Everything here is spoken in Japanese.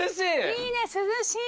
いいね涼しい。